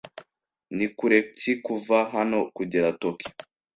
Ni kure ki kuva hano kugera Tokiyo?